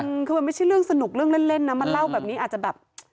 คือมันไม่ใช่เรื่องสนุกเรื่องเล่นนะมันเล่าแบบนี้อาจจะแบบ